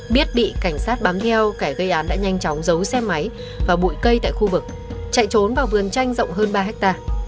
biết bị cảnh sát bám theo kẻ gây án đã nhanh chóng giấu xe máy và bụi cây tại khu vực chạy trốn vào vườn tranh rộng hơn ba hectare